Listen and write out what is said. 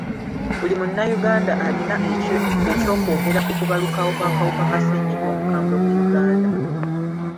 Buli munnayuganda alina ekyokwogera ku kubalukawo kw'akawuka ka ssenyiga omukambwe mu Uganda.